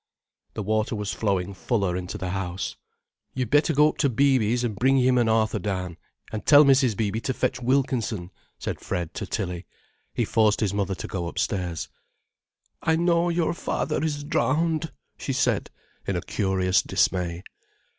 The water was flowing fuller into the house. "You'd better go up to Beeby's and bring him and Arthur down, and tell Mrs. Beeby to fetch Wilkinson," said Fred to Tilly. He forced his mother to go upstairs. "I know your father is drowned," she said, in a curious dismay.